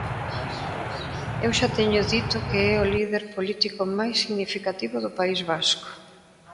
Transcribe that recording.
Eu xa teño dito que é o líder político máis significativo do País Vasco.